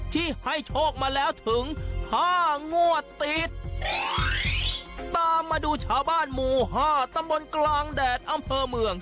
ที่ให้โชคมาแล้วถึงห้างวดติดตามมาดูชาวบ้านหมู่ห้าตำบลกลางแดดอำเภอเมือง